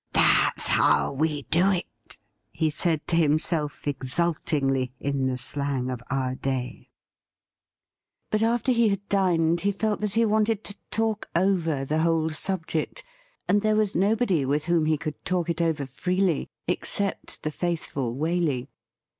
' That's how we do it !' he said to himself exultingly, in the slang of our day. But after he had dined he felt that he wanted to talk over the whole subject, and there was nobody with whom he could talk it over freely except the faithful Waley.